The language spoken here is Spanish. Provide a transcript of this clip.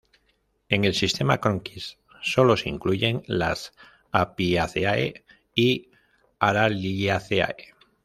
En el sistema Cronquist, solo se incluyen las Apiaceae y Araliaceae.